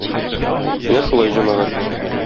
Менә шулай, җәмәгать!